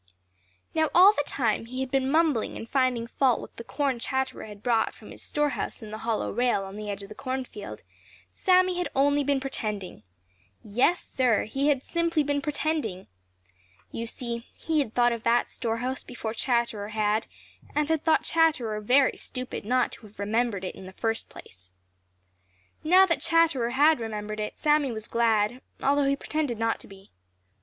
Now all the time he had been mumbling and finding fault with the corn Chatterer had brought from his storehouse in the hollow rail on the edge of the cornfield Sammy had only been pretending. Yes, Sir, he had simply been pretending. You see, he had thought of that store house before Chatterer had and had thought Chatterer very stupid not to have remembered it in the first place. Now that Chatterer had remembered it, Sammy was glad, although he pretended not to be.